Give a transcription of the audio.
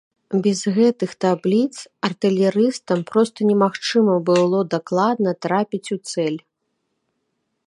Без гэтых табліц артылерыстам проста немагчыма было дакладна трапіць у цэль.